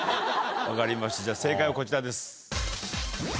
分かりました正解はこちらです。